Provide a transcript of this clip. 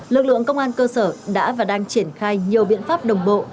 lực lượng công an cơ sở đã và đang triển khai nhiều biện pháp đồng bộ